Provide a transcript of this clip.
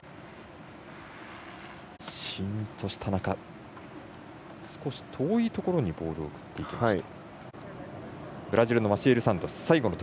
シーンとした中少し遠いところにボールを送っていきました。